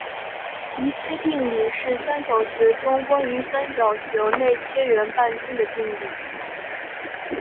余切定理是三角学中关于三角形内切圆半径的定理。